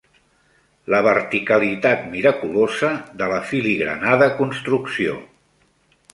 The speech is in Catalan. La verticalitat miraculosa de l'afili-granada construcció.